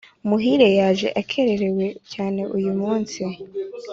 Muhire yaje akererewe cyane uyu munsi